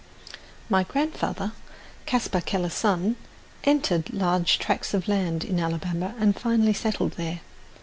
My grandfather, Caspar Keller's son, "entered" large tracts of land in Alabama and finally settled there.